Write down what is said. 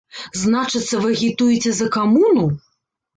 Значыцца, вы агітуеце за камуну?